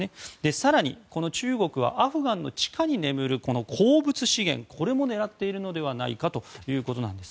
更に、中国はアフガンの地下に眠る鉱物資源も狙っているのではないかということなんです。